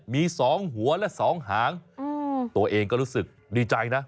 มี๒หัวและ๒หางตัวเองก็รู้สึกดีใจนะ